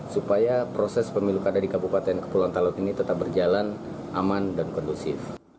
supaya proses pemilu kada di kabupaten kepulauan talaut ini tetap berjalan aman dan kondusif